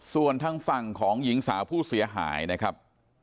ส่วนทางฝั่งของหญิงสาวผู้เสียหายนะครับ